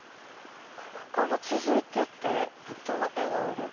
ここから続いてってまた絵がある。